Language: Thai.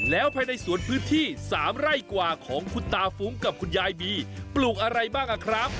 แล้วภายในสวนพื้นที่๓ไร่กว่าของคุณตาฟุ้งกับคุณยายบีปลูกอะไรบ้างอะครับ